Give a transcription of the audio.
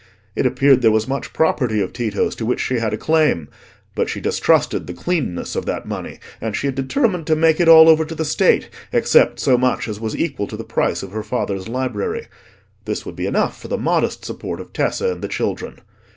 It appeared there was much property of Tito's to which she had a claim; but she distrusted the cleanness of that money, and she had determined to make it all over to the State, except so much as was equal to the price of her father's library. This would be enough for the modest support of Tessa and the children.